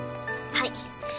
はい。